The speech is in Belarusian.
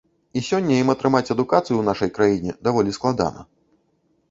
І сёння ім атрымаць адукацыю у нашай краіне даволі складана.